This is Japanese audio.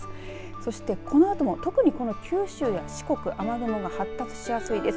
そしてこのあとも特に九州や四国雨雲が発達しやすいです。